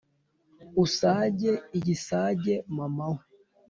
Usage igisage mama we